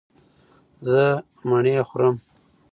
زه مڼې خورم